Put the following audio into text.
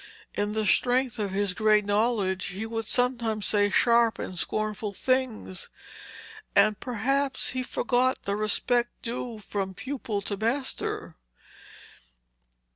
In the strength of his great knowledge he would sometimes say sharp and scornful things, and perhaps he forgot the respect due from pupil to master.